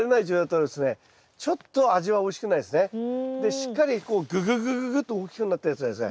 しっかりこうぐぐぐぐぐと大きくなったやつはですね